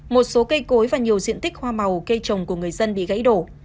một số cây cối và nhiều diện tích hoa màu cây trồng của người dân bị gãy đổ